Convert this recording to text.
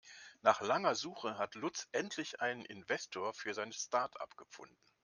Nach langer Suche hat Lutz endlich einen Investor für sein Startup gefunden.